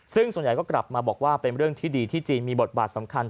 ซึ่งส่วนใหญ่ก็กลับมาบอกว่าเป็นเรื่องที่ดีที่จีนมีบทบาทสำคัญ